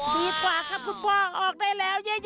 ดีกว่าครับคุณพ่อออกได้แล้วเยอะ